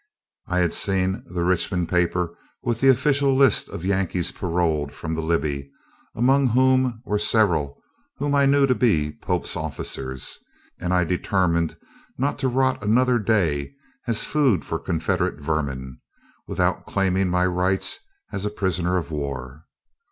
[I had seen the Richmond paper with the official list of Yankees paroled from the Libby, among whom were several whom I knew to be Pope's officers; and I determined not to rot another day, as food for Confederate vermin, without claiming my rights as prisoner of war.